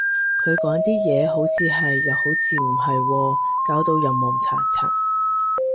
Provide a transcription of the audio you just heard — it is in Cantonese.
佢講啲嘢，好似係，又好似唔係喎，搞到人矇查查